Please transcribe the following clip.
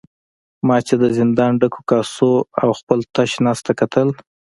ما چې د زندان ډکو کاسو او خپل تش نس ته کتل.